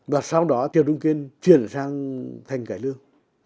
và sau đó kiều trung kiên chuyển sang thành cải lương